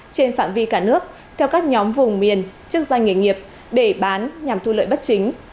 trên phạm vi cả nước theo các nhóm vùng miền chức danh nghề nghiệp để bán nhằm thu lợi bất chính